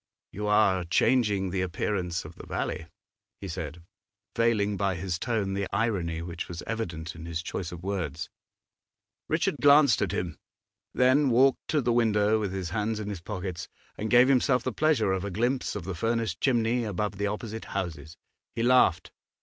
'You are changing the appearance of the valley,' he said, veiling by his tone the irony which was evident in his choice of words. Richard glanced at him, then walked to the window, with his hands in his pockets, and gave himself the pleasure of a glimpse of the furnace chimney above the opposite houses. He laughed.